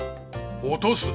落とす？